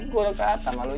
gua udah kata sama lo